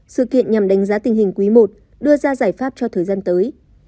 sự kiện nhằm đánh giá tình hình quý i đưa ra giải pháp cho thời gian tới